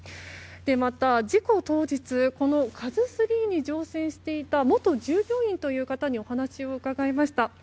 また、事故当日、この「ＫＡＺＵ３」に乗船していた元従業員という方にお話を伺いました。